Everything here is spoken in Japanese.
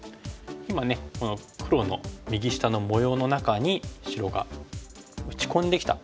今ねこの黒の右下の模様の中に白が打ち込んできた場面ですね。